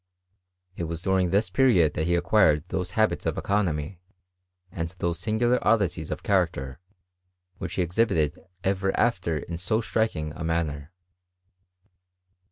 It was during this period that he acquired those habits of economy and those singular oddittes of character, which he ex ' hibited ever after in so striking a manner.